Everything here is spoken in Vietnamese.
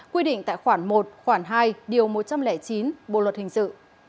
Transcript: quy định tại khoản một khoản hai điều một trăm linh chín bộ luật hình sự